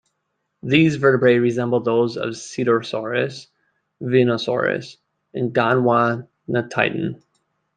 These vertebrae resemble those of "Cedarosaurus", "Venenosaurus", and "Gondwanatitan".